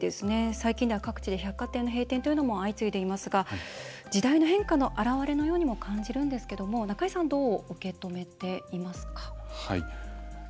最近では各地で百貨店の閉店というのも相次いでいますが時代の変化の表れのようにも感じるんですけども、中井さんどう受け止めていますか？